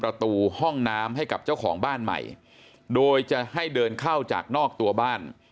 ประตูห้องน้ำให้กับเจ้าของบ้านใหม่โดยจะให้เดินเข้าจากนอกตัวบ้าน